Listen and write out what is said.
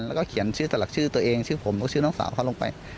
แล้วก็เขียนชื่อสลักชื่อตัวเองชื่อผมก็ชื่อน้องสาวเขาลงไป